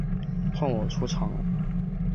换我出场呀！